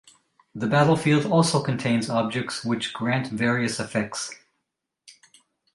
The battlefield also contains objects which grant various effects.